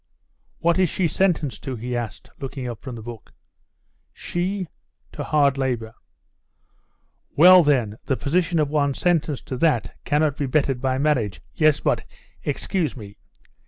"What is she sentenced to?" he asked, looking up from the book. "She? To hard labour." "Well, then, the position of one sentenced to that cannot be bettered by marriage." "Yes, but " "Excuse me.